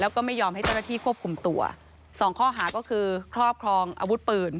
แล้วก็ไม่ยอมให้เจ้าหน้าที่ควบคุมตัวสองข้อหาก็คือครอบครองอาวุธปืน